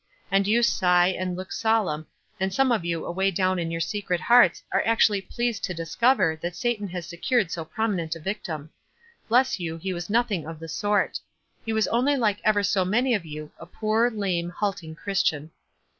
And you sigh and look solemn, and some of you away down in your secret hearts are actually pleased to discover that Satan has secured so prominent a victim. Bless \ T ou, he was nothing of the sort ; he was only like ever so many of you, a poor, lame, halting Christian.